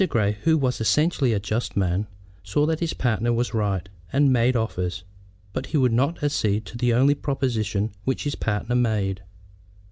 Grey, who was essentially a just man, saw that his partner was right, and made offers, but he would not accede to the only proposition which his partner made.